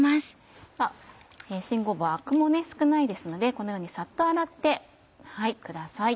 新ごぼうアクも少ないですのでこのようにサッと洗ってください。